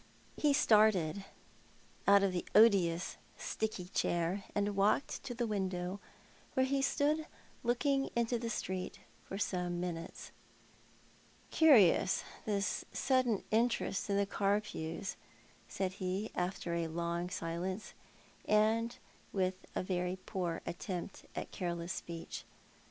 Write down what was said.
He started out of the odious, sticky chair, and walked to the window, where he stood looking into the street for some minutes. "Curious, this sudden interest in the Carpews," said he, after a long silence, and with a very poor attempt at careless speech.